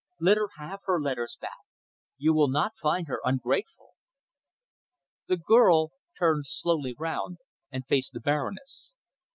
Let her have her letters back. You will not find her ungrateful!" The girl turned slowly round and faced the Baroness.